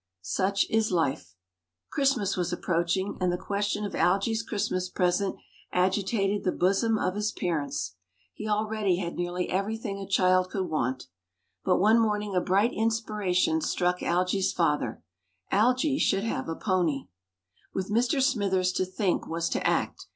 Such is life. Christmas was approaching, and the question of Algy's Christmas present agitated the bosom of his parents. He already had nearly everything a child could want; but one morning a bright inspiration struck Algy's father. Algy should have a pony. With Mr. Smythers to think was to act.